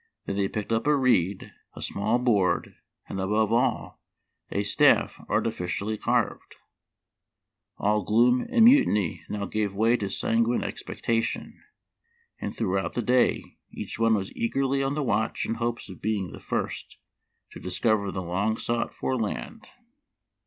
Then they picked up a reed, a small board, and above all, a staff artificially carved. All gloom and mutiny now gave way to sanguine expectation, and throughout the day each one was eagerly on the watch in hopes of being the first to dis cover the long sought for land."